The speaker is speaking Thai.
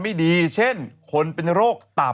หมวดไปทั้งหลายพันทุกอย่าง